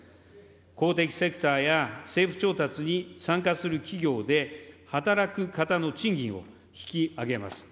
公的セクターや、政府調達に参加する企業で働く方の賃金を引き上げます。